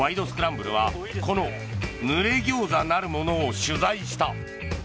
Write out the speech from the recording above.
スクランブル」はこのぬれ餃子なるものを取材した。